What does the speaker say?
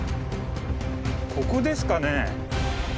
ここですかね。